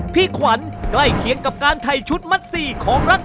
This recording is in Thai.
พี่ขวัญใกล้เคียงกับการถ่ายชุดมัดสี่ของรัก